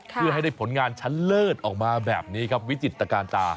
เพื่อให้ได้ผลงานชั้นเลิศออกมาแบบนี้ครับวิจิตการตา